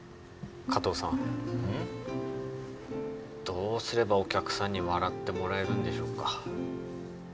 どうすればお客さんに笑ってもらえるんでしょうか？